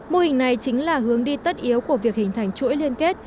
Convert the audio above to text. mô hình này chính là hướng đi tất yếu của việc hình thành chuỗi liên kết